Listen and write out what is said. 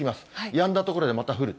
やんだ所でまた降る。